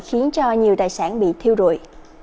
khiến cho nhiều tài sản bị thiêu rụi